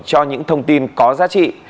cho những thông tin có giá trị